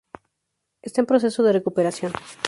Está en proceso de recuperación.